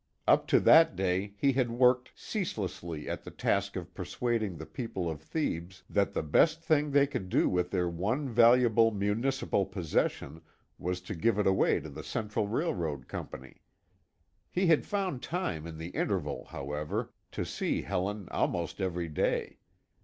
Up to that day he had worked ceaselessly at the task of persuading the people of Thebes that the best thing they could do with their one valuable municipal possession was to give it away to the Central Railroad Company. He had found time in the interval, however, to see Helen almost every day.